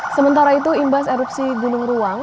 sementara itu imbas erupsi gunung ruang